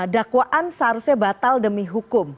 dakwaan seharusnya batal demi hukum